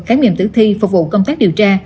khám nghiệm tử thi phục vụ công tác điều tra